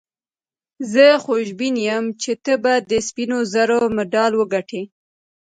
زه خوشبین یم چي ته به د سپینو زرو مډال وګټې.